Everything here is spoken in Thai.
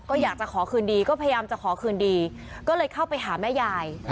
ก็อยากจะขอคืนดีก็พยายามจะขอคืนดีก็เลยเข้าไปหาแม่ยาย